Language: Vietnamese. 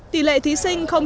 tỷ lệ thí sinh không